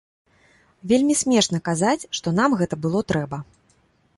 Вельмі смешна казаць, што нам гэта было трэба.